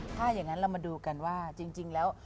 ถ้าอย่างนั้นเรามาดูกันว่าจริงแล้ว